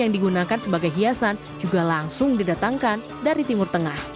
yang digunakan sebagai hiasan juga langsung didatangkan dari timur tengah